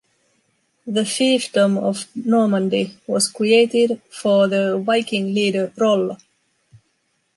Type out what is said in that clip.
The fiefdom of Normandy was created for the Viking leader Rollo.